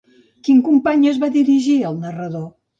Quin company es va dirigir al narrador?